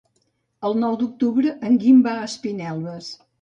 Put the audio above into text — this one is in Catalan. El nou d'octubre en Guim va a Espinelves.